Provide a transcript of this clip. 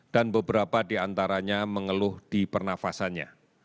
dan beberapa di antaranya mengeluh di pernafasannya